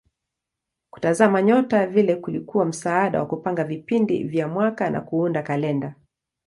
Kutazama nyota vile kulikuwa msaada wa kupanga vipindi vya mwaka na kuunda kalenda.